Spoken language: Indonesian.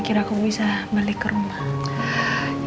kira aku bisa balik ke rumah